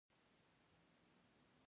راکټ د فضا د سفرونو یوه مهمه وسیله ده